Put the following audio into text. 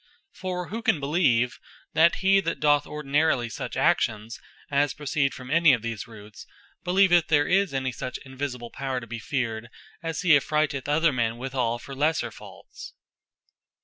For who can believe, that he that doth ordinarily such actions, as proceed from any of these rootes, believeth there is any such Invisible Power to be feared, as he affrighteth other men withall, for lesser faults?